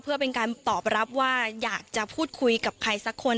เพื่อเป็นการตอบรับว่าอยากจะพูดคุยกับใครสักคน